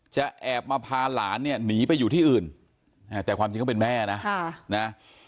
แอบมาพาหลานเนี่ยหนีไปอยู่ที่อื่นแต่ความจริงเขาเป็นแม่นะ